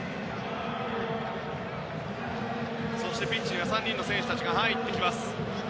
そしてピッチに３人の選手たちが入ってきます。